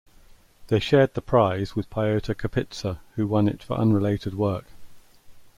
They shared the prize with Pyotr Kapitsa, who won it for unrelated work.